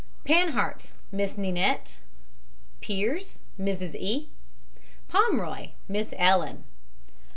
PANHART, MISS NINETTE. PEARS, MRS. E. POMROY, MISS ELLEN.